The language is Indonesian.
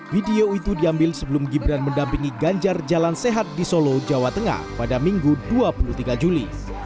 video itu diambil sebelum gibran mendampingi ganjar jalan sehat di solo jawa tengah pada minggu dua puluh tiga juli